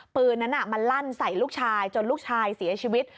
ปืนนั้นมันลั่นใส่ลูกชายจนลูกชายเสียชีวิต